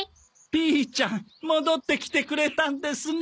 ピーちゃん戻ってきてくれたんですね。